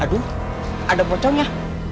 aduh ada pocongnya